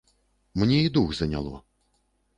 Мне і дух заняло.